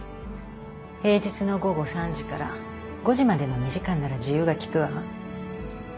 平日の午後３時から５時までの２時間なら自由が利くわ。